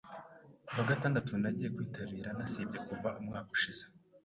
Kuwagatandatu nagiye kwitabira nasibye kuva umwaka ushize.